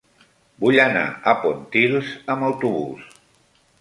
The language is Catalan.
Vull anar a Pontils amb autobús.